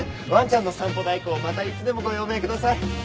ワンちゃんの散歩代行またいつでもご用命ください。